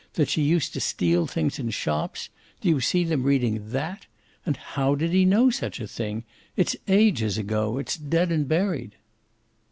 that she used to steal things in shops: do you see them reading THAT? And how did he know such a thing? It's ages ago, it's dead and buried!"